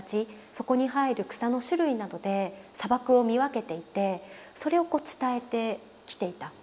そこに生える草の種類などで砂漠を見分けていてそれを伝えてきていた。